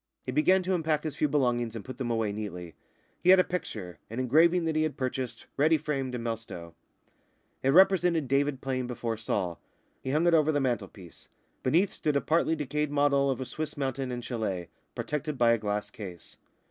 He began to unpack his few belongings and put them away neatly. He had a picture an engraving that he had purchased, ready framed, in Melstowe. It represented David playing before Saul. He hung it over the mantelpiece. Beneath stood a partly decayed model of a Swiss mountain and châlet, protected by a glass case.